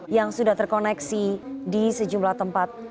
yang sudah terkoneksi di sejumlah tempat